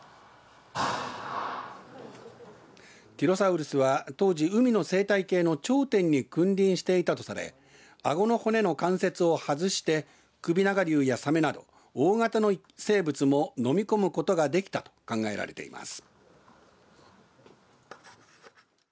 ティロサウルスは当時、海の生態系の頂点に君臨していたとされあごの骨の関節を外して首長竜やさめなど大型の生物ものみ込むことができたと考えられています。